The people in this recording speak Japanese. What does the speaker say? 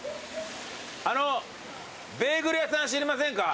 あのうベーグル屋さん知りませんか？